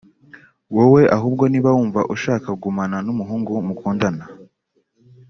wowe ahubwo niba wumva ushaka kugumana n’umuhungu mukundana